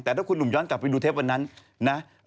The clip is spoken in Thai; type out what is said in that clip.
แต่ถ้าคุณหนุ่มย้อนกลับไปดูเทปวันนั้นนะ